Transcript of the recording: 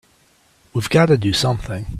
We've got to do something!